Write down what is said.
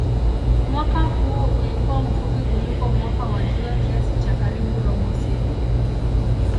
Mwaka huo ulikuwa mfupi kuliko mwaka wa jua kiasi cha karibu robo siku.